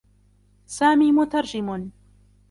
سامي مترجم.